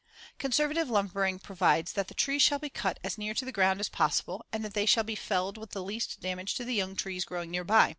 Conservative lumbering provides that the trees shall be cut as near to the ground as possible and that they shall be felled with the least damage to the young trees growing near by.